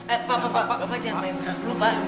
eh pak bapak jangan main berat dulu pak